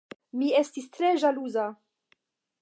Mi estis tre ĵaluza!